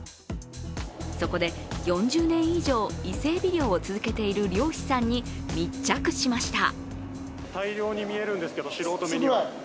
そこで４０年以上、伊勢えび漁を続けている漁師さんに密着しました。